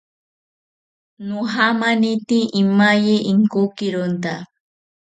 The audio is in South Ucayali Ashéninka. Nojamanite imaye inkokironta